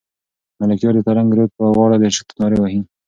ملکیار د ترنګ رود په غاړه د عشق نارې وهي.